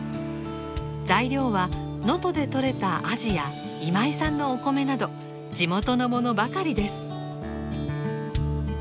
材料は能登でとれたアジや今井さんのお米など地元のものばかりです。